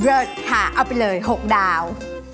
ค่ะเอาไปเลย๖ดาว